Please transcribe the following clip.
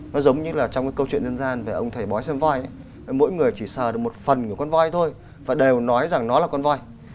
nó giống như là trong cái câu chuyện dân gian về ông thầy bói xem voi mỗi người chỉ sờ được một phần của con voi thôi và đều nói rằng nó là con voi